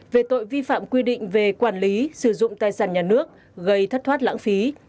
về tội vi phạm quy định về quản lý sử dụng tài sản nhà nước gây thất thoát lãng phí